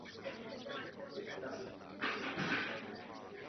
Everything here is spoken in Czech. Mezinárodní svaz ochrany přírody hodnotí druh jako zranitelný.